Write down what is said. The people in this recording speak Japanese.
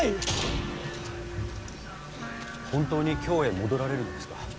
本当に京へ戻られるのですか。